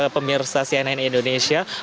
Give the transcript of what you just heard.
pemirsa cnn indonesia